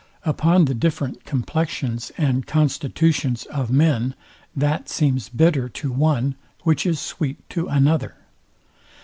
Upon the different complexions and constitutions of men That seems bitter to one, which is sweet to another.